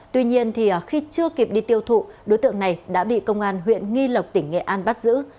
tuy nhiên khi chưa kịp đi tiêu thụ đối tượng này đã bị công an huyện nghi lộc tỉnh nghệ an bắt giữ